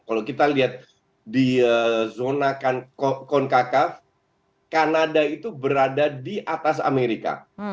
kalau kita lihat di zona concakav kanada itu berada di atas amerika